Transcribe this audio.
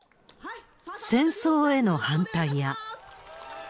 戦争への反対や。